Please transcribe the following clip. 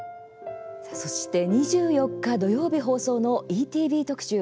そして２４日土曜日放送のＥＴＶ特集